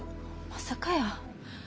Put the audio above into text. まさかやー。